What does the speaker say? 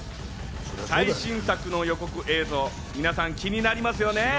最新作の予告映像、皆さん、気になりますよね？